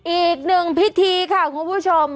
อีกหนึ่งพิธีค่ะคุณผู้ชม